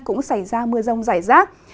cũng xảy ra mưa rông rải rác